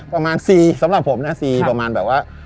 ประมาณ๔สำหรับผมนะซีประมาณแบบว่า